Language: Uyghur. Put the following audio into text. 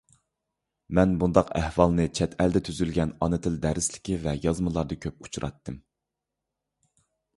مەن بۇنداق ئەھۋالنى چەت ئەلدە تۈزۈلگەن ئانا تىل دەرسلىكى ۋە يازمىلاردا كۆپ ئۇچراتتىم.